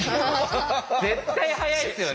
絶対速いっすよね。